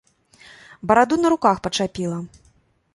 Бараду на руках пачапіла.